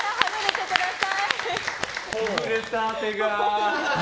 ほぐれた、手が。